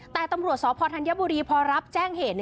แต่ตำรวจสพธัญบุรีพอรับแจ้งเหตุ